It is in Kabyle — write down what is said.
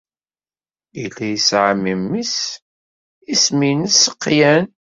Yella yesɛa memmi-s isem-nnes Qian.